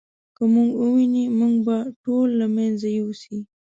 که موږ وویني موږ به ټول له منځه یوسي.